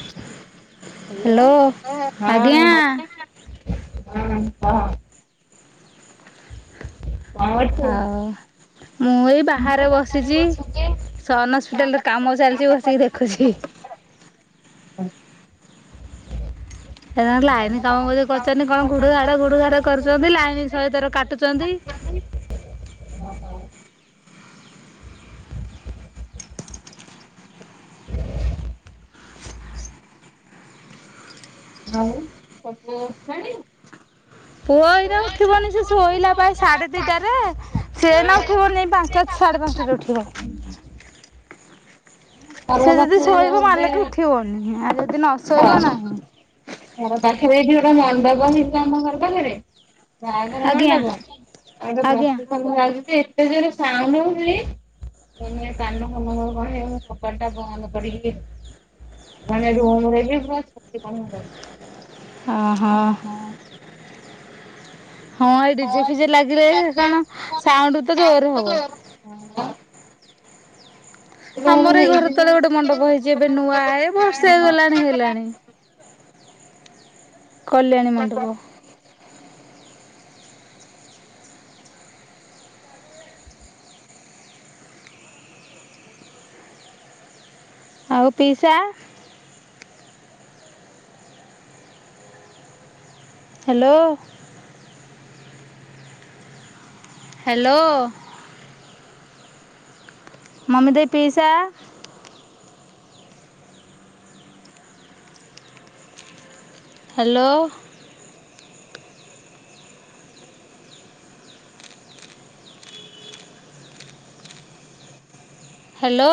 Hello hello. ହଁ ଆଜ୍ଞା। [unintelligible] ହଁ କହ? କଣ କରୁଛୁ? ହଁ ମୁଏଇ ବାହାରେ ବସିଚି। ସନ୍ ହସ୍ପିଟାଲରେ କାମ ଚାଲିଚି ବସିକି ଦେଖୁଛି। ସେରା ଲାଇନ୍ କାମ ବୋଧେ କରୁଚନ୍ତି କଣ ଘୁଡ଼ୁଘାଡ଼ ଘୁଡ଼ୁଘାଡ଼ କରୁଚନ୍ତି ଲାଇନ୍ ଶହେଥର କାଟୁଚନ୍ତି। ଆଉ ତୋପୁଅ ଉଠିଲାଣି? ପୁଅ ଏଇନା ଉଠିବନି ସେଶୋଇଲାପା ସାଢେ ଦିଟାରେ ସେଏଇନା ଉଠିବନି ଯାଇ ପାଞ୍ଚଟା ସାଢ଼େ ପାଞ୍ଚଟାରେ ଉଠିବ। ପାଖରେ ସେଯଦି ଗୋଟେ ଶୋଇବ ହଁ ମାଲେକେ ଉଠିବନି ଆଉ ଯଦି ନଶୋଇବ ନାହିଁ। ଘର ପାଖେରେ ଏଠି ଗୋଟେ ମଣ୍ଡପ ହେଇଚିତ ଆମ ଘର ପାଖରେ ବାହାଘର ଆଜ୍ଞା ମଣ୍ଡପ ତାଙ୍କ ଆଜ୍ଞା ପ୍ରସେସନ ଯାଉଚିଯେ ଏତେ ଜୋରେ ସାଉଣ୍ଡ ହଉଚି ମାନେ କାନ ଫାନ ମୋର କଣ ହେଇଗଲା କବାଟ ବନ୍ଦକରିକି ମାନେ ରୁମ୍ ରେବି ପୁରା ଛାତି କଣ ହେଇଯାଉଚି। ଅଁ ହଁ। ହଁ ଏଇ ଡିଜେ ଫିଜେ ଲାଗିଲେକି ସେକଣ ସାଉଣ୍ଡତ ଜୋରେ ହବ। ହଁ। ଆମର ଏଇ ଘର ହେଇଯିବ ତଳେ ଗୋଟେ ମଣ୍ଡପ ହେଇଚି ଏବେ ନୂଆ, ଏବର୍ଷେ ହେଇଗଲାଣି ହେଲାଣି। କଲ୍ୟାଣୀ ମଣ୍ଡପ। ଆଉ ପିଇସା? ହାଲୋ। ହାଲୋ। ମମି ଦେଇ ପିଇସା? ହାଲୋ। ହାଲୋ।